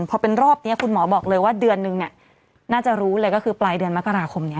พอเป็นรอบนี้คุณหมอบอกเลยว่าเดือนนึงน่าจะรู้เลยก็คือปลายเดือนมกราคมนี้